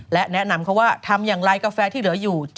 และแนะนำเขาว่าทำอย่างไรกาแฟที่เหลืออยู่